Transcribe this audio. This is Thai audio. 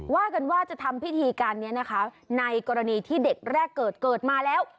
ว่ากันว่าจะทำพิธีการนี้นะคะในกรณีที่เด็กแรกเกิดเกิดมาแล้ว